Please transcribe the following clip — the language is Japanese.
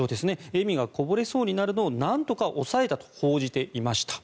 笑みがこぼれそうになるのをなんとか抑えたと報じていました。